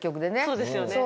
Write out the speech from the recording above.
そうですよね。